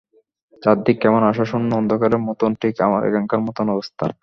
চারদিক কেমন আশা শূন্য অন্ধকারের মতোন, ঠিক আমার এখনকার মতোন অবস্থা।